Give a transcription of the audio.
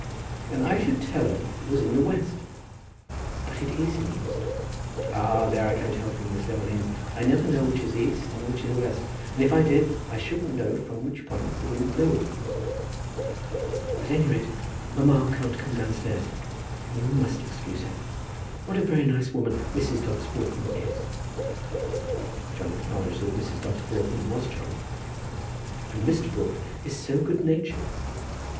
"Then I should tell her it was in the west." "But it is in the east." "Ah, there I can't help you, Miss Demolines. I never know which is east, and which west; and if I did, I shouldn't know from which point the wind blew." "At any rate mamma can't come downstairs, and you must excuse her. What a very nice woman Mrs. Dobbs Broughton is." Johnny acknowledged that Mrs. Dobbs Broughton was charming. "And Mr. Broughton is so good natured!"